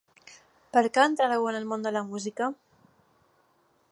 Per què entràreu en el món de la música?